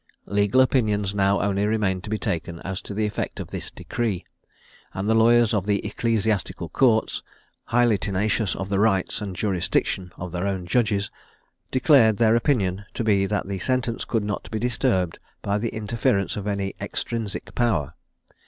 Legal opinions now only remained to be taken as to the effect of this decree, and the lawyers of the Ecclesiastical Courts, highly tenacious of the rights and jurisdiction of their own judges, declared their opinion to be that the sentence could not be disturbed by the interference of any extrinsic power.